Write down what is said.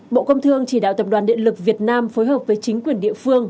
bộ công thương chỉ đạo tập đoàn điện lực việt nam phối hợp với chính quyền địa phương